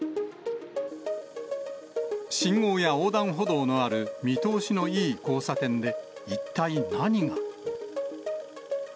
信号や横断歩道のある見通しのいい交差点で、一体何が。